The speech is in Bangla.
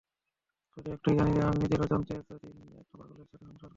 শুধু এটুকুই জানি যে, আমি নিজের অজান্তে এতদিন একটা পাগলের সাথে সংসার করছিলাম।